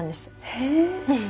へえ。